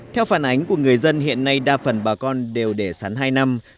theo phản ánh của người dân hiện nay đa phần bà con đều để sắn hai năm